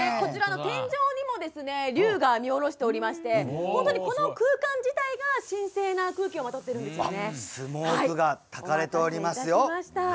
こちらの天井にも竜が見下ろしていましてこの空間自体が神聖な空気をまとっているんですよね。